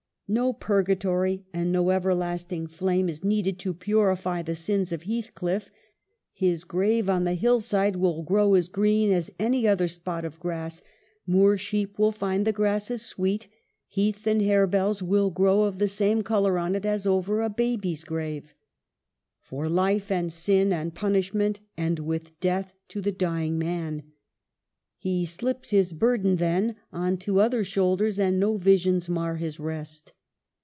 No purgatory, and no everlasting flame, is 214 EMILY BRONTE. needed to purify the sins of Heathcliff; his grave on the hillside will grow as green as any other spot of grass, moor sheep will find the grass as sweet, heath and harebells will grow of the same color on it as over a baby's grave. For life and sin and punishment end with death to the dying man ; he slips his burden then on to other shoulders, and no visions mar his rest.